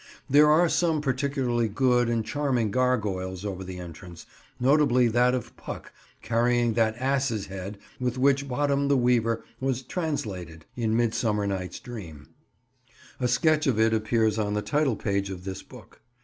There are some particularly good and charming gargoyles over the entrance, notably that of Puck carrying that ass's head with which Bottom the Weaver was "translated," in Midsummer Night's Dream. A sketch of it appears on the title page of this book.